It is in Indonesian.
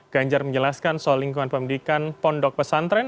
ganjar menjelaskan soal lingkungan pendidikan pondok pesantren